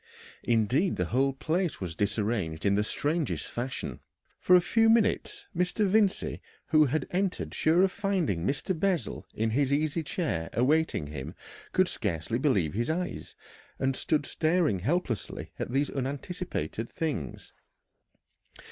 Indeed the whole place was disarranged in the strangest fashion. For a few minutes Mr. Vincey, who had entered sure of finding Mr. Bessel in his easy chair awaiting him, could scarcely believe his eyes, and stood staring helplessly at these unanticipated things.